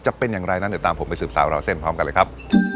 จะเป็นอย่างไรนั้นเดี๋ยวตามผมไปสืบสาวราวเส้นพร้อมกันเลยครับ